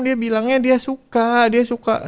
dia bilangnya dia suka dia suka